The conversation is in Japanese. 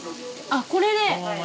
あっこれで。